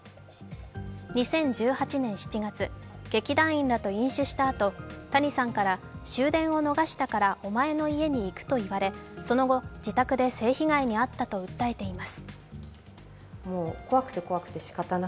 ２０１８年７月、劇団員らと飲酒したあと谷さんから終電を逃したからお前の家に行くと言われ、その後、自宅で性被害に遭ったと訴えています。